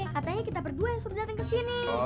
katanya kita berdua yang suruh dateng kesini